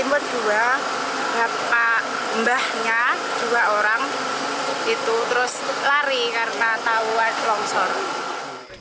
embahnya dua orang itu terus lari karena tahu longsor